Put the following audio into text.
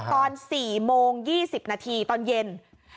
ตอน๔โมง๒๐นาทีตอนเย็น